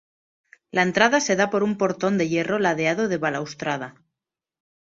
La entrada se da por un portón de hierro ladeado de balaustrada.